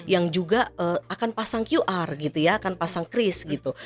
yang juga akan pasang qr gitu ya akan pasang cris gitu